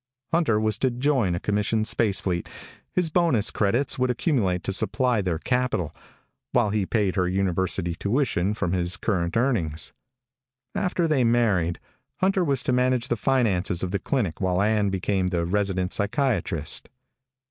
Hunter was to join a commercial spacefleet. His bonus credits would accumulate to supply their capital, while he paid her university tuition from his current earnings. After they married, Hunter was to manage the finances of the clinic while Ann became the resident psychiatrist.